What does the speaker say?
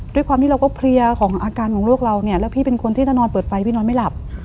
ด้วยความที่เราก็เพลียของอาการของลูกเราเนี่ยแล้วพี่เป็นคนที่ถ้านอนเปิดไฟพี่นอนไม่หลับ